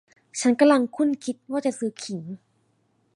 ฉันกำลังครุ่นคิดว่าจะซื้อขิง